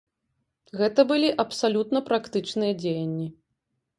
Гэта былі абсалютна практычныя дзеянні.